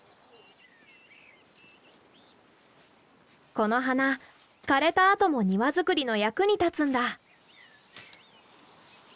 この花枯れたあとも庭作りの役に立つんだ。